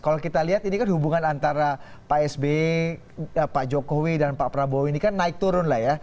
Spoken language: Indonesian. kalau kita lihat ini kan hubungan antara pak sby pak jokowi dan pak prabowo ini kan naik turun lah ya